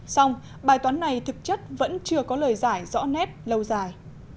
xong bài toán này thực chất vẫn chưa có lời giải rõ nét lâu dài